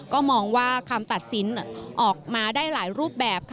ก็มองว่าคำตัดสินออกมาได้หลายรูปแบบค่ะ